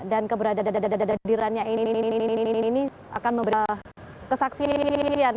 dan keberadaan dadirannya ini akan memberikan kesaksian